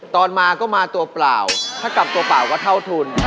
ตอนมาก็มาตัวเปล่าถ้ากลับตัวเปล่าก็เท่าทุน